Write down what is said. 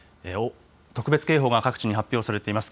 特別警報が各地に発表されています。